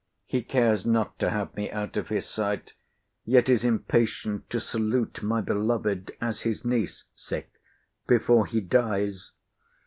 He cares not to have me out of his sight: yet is impatient to salute my beloved as his niece before he dies.